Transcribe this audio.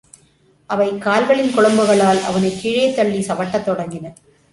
அவை கால்களின் குளம்புகளால் அவனைக் கீழே தள்ளிச் சவட்டத் தொடங்கின.